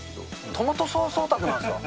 トマトソースオタクなんですまあ。